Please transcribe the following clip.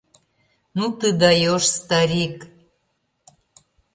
Ну ты даёшь, старик!